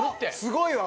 すごいわ！